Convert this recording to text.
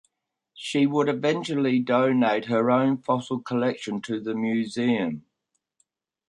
She would eventually donate her own fossil collection to the museum.